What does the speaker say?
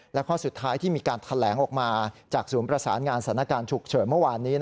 และข้อสุดท้ายที่มีการแถลงออกมาจากศูนย์ประสานงานสถานการณ์ฉุกเฉินเมื่อวานนี้